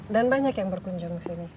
dan banyak yang berkunjung ke sini